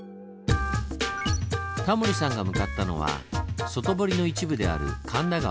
タモリさんが向かったのは外堀の一部である神田川。